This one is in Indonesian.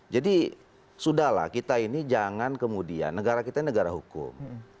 jadi sudah lah kita ini jangan kemudian negara kita negara hukum